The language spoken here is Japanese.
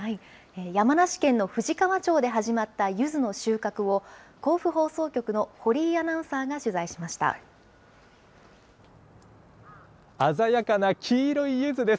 山梨県の富士川町で始まったゆずの収穫を、甲府放送局の堀井鮮やかな黄色いゆずです。